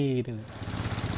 saya tidak bisa makan sehari